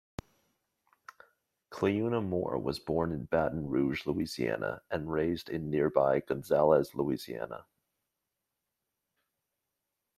Cleouna Moore was born in Baton Rouge, Louisiana, and raised in nearby Gonzales, Louisiana.